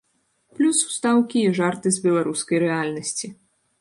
Плюс ўстаўкі і жарты з беларускай рэальнасці.